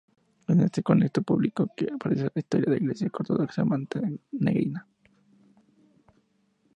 Es en ese contexto político que desaparece de la historia la Iglesia ortodoxa montenegrina.